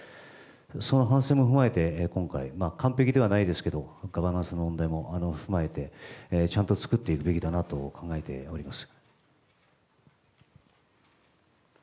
その反省も踏まえて今回、完璧ではないですけどガバナンスの問題も踏まえてちゃんと作っていくべきだと考えております。